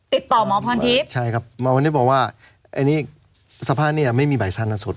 ติดต่อหมอพลทิพย์ใช่ครับหมอพลทิพย์บอกว่าสภาพนี้ไม่มีใบสานะสด